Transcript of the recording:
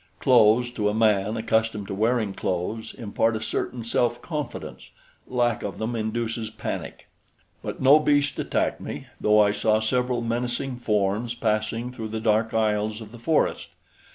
Clothes, to a man accustomed to wearing clothes, impart a certain self confidence; lack of them induces panic. But no beast attacked me, though I saw several menacing forms passing through the dark aisles of the forest.